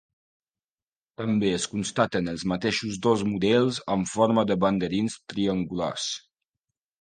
També es constaten els mateixos dos models amb forma de banderins triangulars.